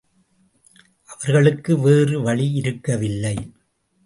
அவர்களுக்கு வேறு வழி இருக்கவில்லை.